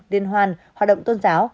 liên hoan hoạt động tôn giáo